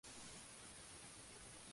Finaliza doce en el campeonato de Europa.